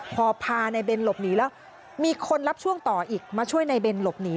พอพานายเบนหลบหนีแล้วมีคนรับช่วงต่ออีกมาช่วยนายเบนหลบหนี